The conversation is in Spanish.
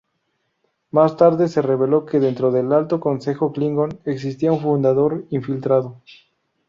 Más tarde se reveló que dentro del Alto Consejo Klingon existía un fundador infiltrado.